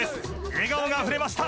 笑顔があふれました。